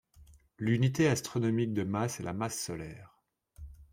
L'unité astronomique de masse est la masse solaire.